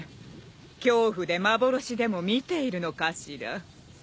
恐怖で幻でも見ているのかしら？